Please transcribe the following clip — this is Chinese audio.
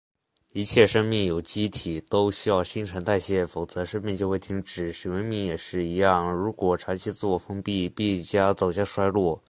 一切生命有机体都需要新陈代谢，否则生命就会停止。文明也是一样，如果长期自我封闭，必将走向衰落。